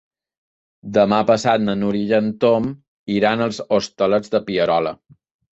Demà passat na Núria i en Tom iran als Hostalets de Pierola.